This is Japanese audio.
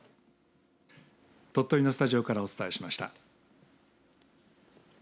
鳥取のスタジオからお伝えしました。